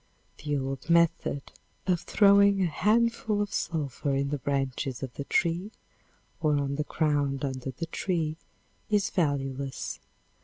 The old method of throwing a handful of sulphur in the branches of the tree or on the ground under the tree is valueless.